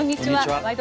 「ワイド！